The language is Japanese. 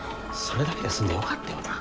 それだけで済んでよかったよな。